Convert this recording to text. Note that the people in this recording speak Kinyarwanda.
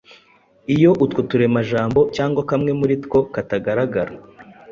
Iyo utwo turemajambo cyangwa kamwe muri two katagaragara